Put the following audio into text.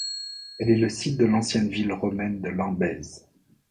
Elle est le site de l'ancienne ville romaine de Lambèse.